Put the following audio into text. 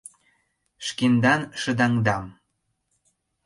Шкендан шыдаҥдам...